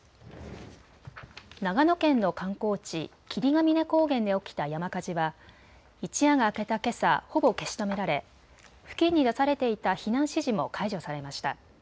長野県の観光地、霧ヶ峰高原で起きた山火事は一夜が明けたけさ、ほぼ消し止められ付近に出されていた避難指示も解除されました。